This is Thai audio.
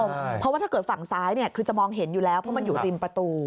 เพราะว่าถ้าเกิดฝั่งซ้ายเนี่ยคือจะมองเห็นอยู่แล้วเพราะมันอยู่ริมประตู